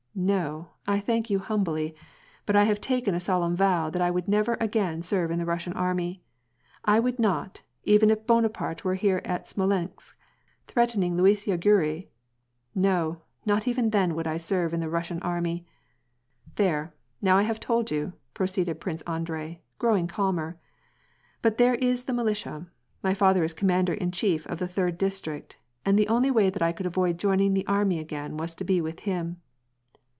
" No, I thank you humbly, but I have taken a solemn vow that I would never again serve in the Russian army. I would not, even if Bonaparte were here at Smolensk, threatening Luisiya Gorui ; no, not even then would I serve in the Russian army. There, now I have told you," proceeded Prince Andrei, growing calmer. "But there is the militia; my father is commander in chief of the third district, and the only way that I could avoid joining the army again was to be with him."